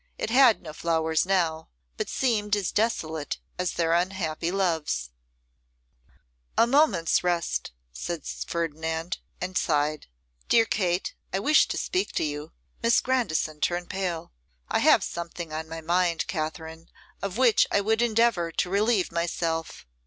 It had no flowers now, but seemed as desolate as their unhappy loves. [Illustration: page323.jpg] 'A moment's rest,' said Ferdinand, and sighed. 'Dear Kate, I wish to speak to you.' Miss Grandison turned pale. 'I have something on my mind, Katherine, of which I would endeavour to relieve myself.